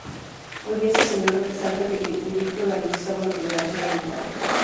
Hoy día se celebra a pesar de que el edicto garantizaba una tolerancia limitada.